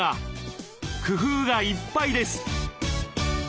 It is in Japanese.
工夫がいっぱいです。